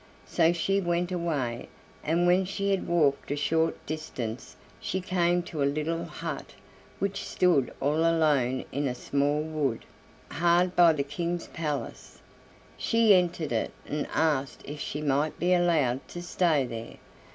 So she went away, and when she had walked a short distance she came to a little hut which stood all alone in a small wood, hard by the King's palace. She entered it and asked if she might be allowed to stay there.